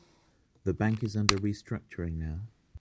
The bank is under restructuring now.